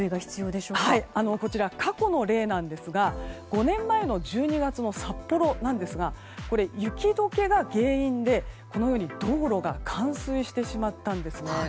こちら、過去の例なんですが５年前の１２月の札幌ですがこれ、雪解けが原因で道路が冠水してしまったんですね。